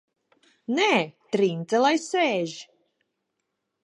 Nē, Trince lai sēž!